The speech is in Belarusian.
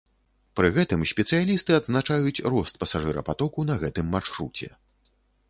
Пры гэтым спецыялісты адзначаюць рост пасажырапатоку на гэтым маршруце.